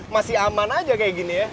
masih aman aja kayak gini ya